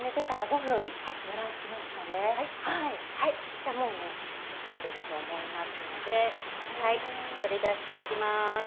じゃあ、もうねできてると思いますので取り出していきます。